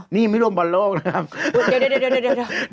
นี่รวมบอร์ดโลกนะครับ